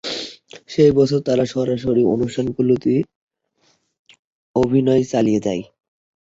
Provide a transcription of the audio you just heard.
সেই বছর তারা সরাসরি অনুষ্ঠানগুলিতে অভিনয় চালিয়ে যায়।